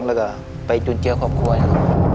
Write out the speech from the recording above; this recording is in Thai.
แล้วก็ไปจุนเจือครอบครัวนะครับ